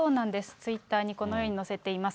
ツイッターにこのように載せています。